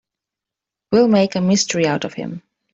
We'll make a mystery out of him.